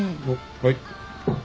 はい。